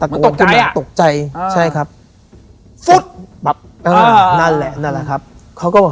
ตะโกนตกใจใช่ครับปั๊บอ่านั่นแหละนั่นแหละครับเขาก็บอก